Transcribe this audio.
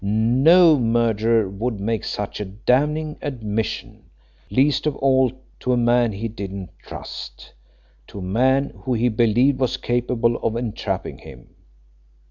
No murderer would make such a damning admission, least of all to a man he didn't trust to a man who he believed was capable of entrapping him.